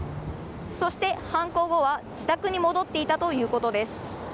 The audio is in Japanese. そして、犯行後は自宅に戻っていたということです。